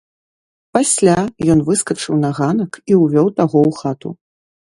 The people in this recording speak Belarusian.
Пасля ён выскачыў на ганак і ўвёў таго ў хату.